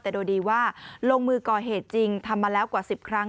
แต่โดยดีว่าลงมือก่อเหตุจริงทำมาแล้วกว่า๑๐ครั้ง